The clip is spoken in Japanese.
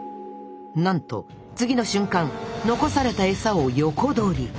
なんと次の瞬間残されたエサを横取り！